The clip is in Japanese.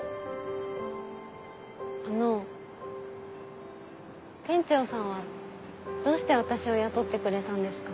あの店長さんはどうして私を雇ってくれたんですか？